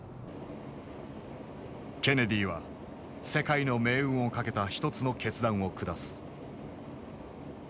ケネディは世界の命運をかけた一つの決断を下す。